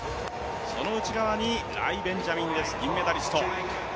その内側にライ・ベンジャミンです銀メダリスト。